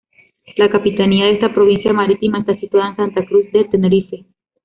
La capitanía de esta provincia marítima está situada en Santa Cruz de Tenerife.